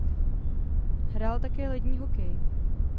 Hrál také lední hokej.